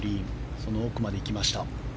その奥まで行きました。